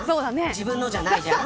自分のじゃないじゃん。